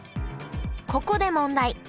ここで問題。